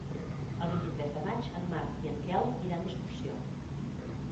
El vint-i-tres de maig en Marc i en Quel iran d'excursió.